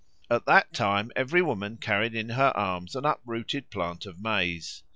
At that time every woman carried in her arms an uprooted plant of maize.